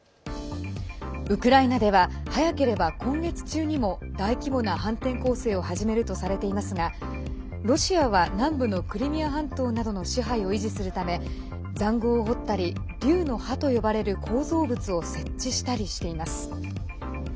ウクライナでは早ければ今月中にも大規模な反転攻勢を始めるとされていますがロシアは南部のクリミア半島などの支配を維持するためざんごうを掘ったり竜の歯と呼ばれる構造物を設置したりしています。